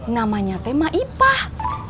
namanya tema ipah